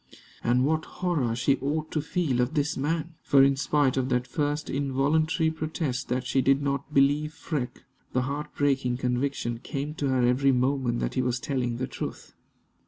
And what horror she ought to feel of this man! for, in spite of that first involuntary protest that she did not believe Freke, the heart breaking conviction came to her every moment that he was telling the truth.